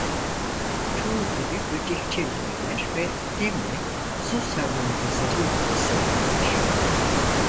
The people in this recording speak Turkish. Çoğu gibi böcekçildirler ve hem de su salyangozlarıyla beslenirler.